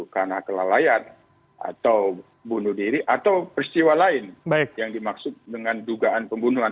karena kelalaian atau bunuh diri atau peristiwa lain yang dimaksud dengan dugaan pembunuhan